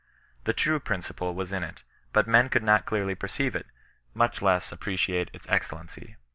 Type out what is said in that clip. The true principle was in it, but men could not clearly perceive it, much less appreciate its excellency.